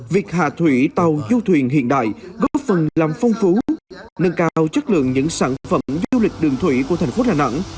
việc hạ thủy tàu du thuyền hiện đại góp phần làm phong phú nâng cao chất lượng những sản phẩm du lịch đường thủy của thành phố đà nẵng